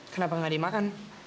kenapa ga dimakan